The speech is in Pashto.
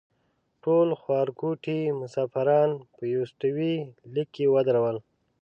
ټول خوارکوټي مسافران په یوستوي لیک کې ودرول.